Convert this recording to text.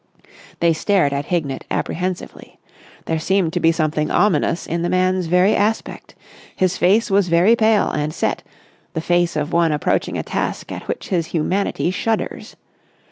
They stared at Hignett apprehensively. There seemed to be something ominous in the man's very aspect. His face was very pale and set, the face of one approaching a task at which his humanity shudders.